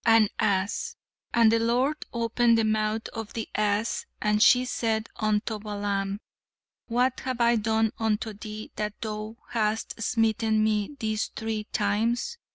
"An Ass. 'And the Lord opened the mouth of the ass and she said unto Balaam, What have I done unto thee that thou hast smitten me these three times?'